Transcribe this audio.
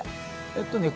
えっとね